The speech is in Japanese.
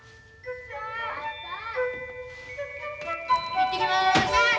行ってきます。